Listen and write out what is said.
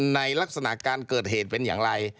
ในลักษณะการเกิดเหตุเป็นอย่างไร